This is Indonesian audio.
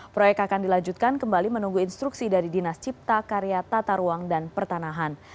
proyek akan dilanjutkan kembali menunggu instruksi dari dinas cipta karya tata ruang dan pertanahan